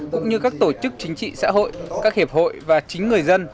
cũng như các tổ chức chính trị xã hội các hiệp hội và chính người dân